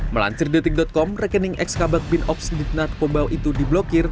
melancir detik com rekening xkb bin opsidit natkobau itu diblokir